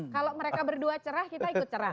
kalau mereka berdua cerah kita ikut cerah